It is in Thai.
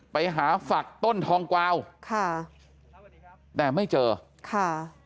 ไปหาฝักต้นทองกวาวค่ะแต่ไม่เจอค่ะ